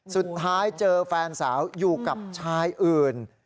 สุดท้ายเจอแฟนสาวอยู่กับชายอื่น